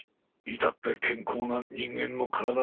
至って健康な人間の体だ。